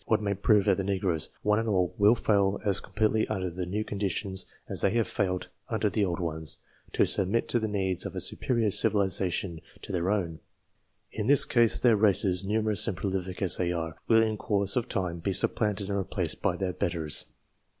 Or it may prove that the Negroes, one and all, will fail as completely under the new con ditions as they have failed under the old ones, to submit to the needs of a superior civilization to their own ; in this case their races, numerous and prolific as they are, will in course of time be supplanted and replaced by their betters.